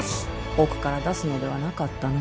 奥から出すのではなかったの。